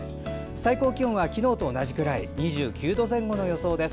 最高気温は昨日と同じくらい２９度前後の予想です。